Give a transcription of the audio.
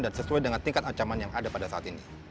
dan sesuai dengan tingkat ancaman yang ada pada saat ini